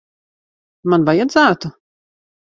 Man vajadzētu?